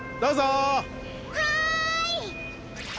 はい！